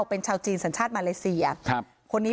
เป็นชาวจีนสัญชาติมาเลเซียครับคนนี้